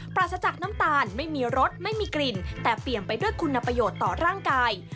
ปราศจากน้ำตาลไม่มีรสไม่มีกลิ่นแต่เปลี่ยนไปด้วยคุณประโยชน์ต่อร่างกาย